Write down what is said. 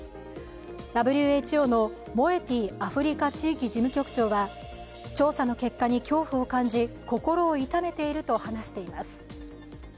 ＷＨＯのモエティ・アフリカ地域事務局長は調査の結果に恐怖を感じ心を痛めていると話しています。